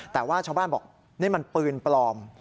แต่ว่าชาวบ้านบอกนี่มันปืนปลอม